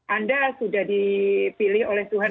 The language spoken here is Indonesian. anda sudah dipilih oleh tuhan